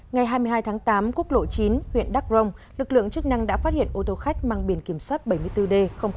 ngày hai mươi hai tháng tám quốc lộ chín huyện đắk rông lực lượng chức năng đã phát hiện ô tô khách mang biển kiểm soát bảy mươi bốn d một trăm hai mươi tám